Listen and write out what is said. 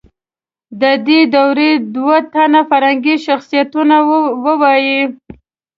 د دې دورې دوه تنه فرهنګي شخصیتونه ووایئ.